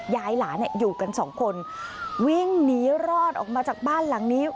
ยายหลานอยู่กันสองคนวิ่งหนีรอดออกมาจากบ้านหลังนี้